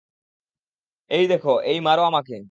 এই দেখো, এই মারো আমাকে।